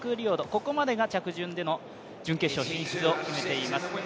ここまでが着順での準決勝進出を決めています。